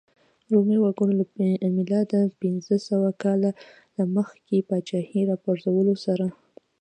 رومي وګړو له میلاد پنځه سوه لس کاله مخکې پاچاهۍ راپرځولو سره.